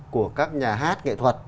của các nhà hát nghệ thuật